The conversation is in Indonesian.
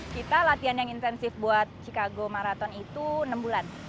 kita latihan yang intensif buat chicago marathon itu enam bulan